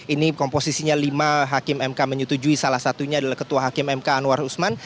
ini komposisinya lima hakim mk menyetujui salah satunya adalah ketua hakim mk anwar usman